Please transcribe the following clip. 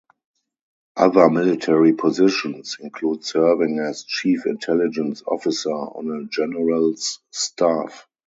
Other military positions include serving as chief intelligence officer on a General's staff.